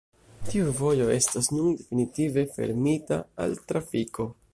Tiu vojo estas nun definitive fermita al trafiko.